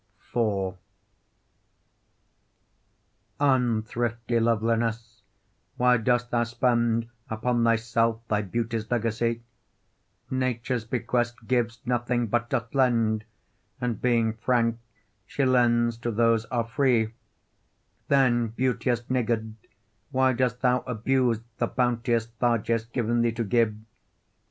IV Unthrifty loveliness, why dost thou spend Upon thyself thy beauty's legacy? Nature's bequest gives nothing, but doth lend, And being frank she lends to those are free: Then, beauteous niggard, why dost thou abuse The bounteous largess given thee to give?